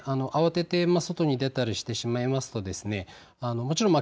慌てて外に出たりしてしまいますとですね